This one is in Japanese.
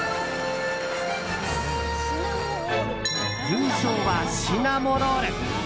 優勝はシナモロール。